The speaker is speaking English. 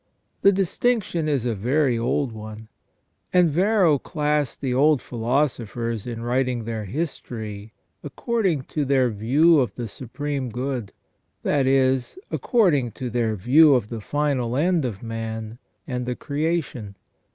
The distinction is a very old one. And Varro classed the old philosophers in writing their history according to their view of the Supreme Good, that is, according to their view of the final end of man and the creation.